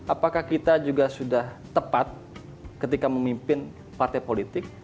apakah kita juga sudah tepat ketika memimpin partai politik